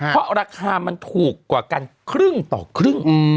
เพราะราคามันถูกกว่ากันครึ่งต่อครึ่ง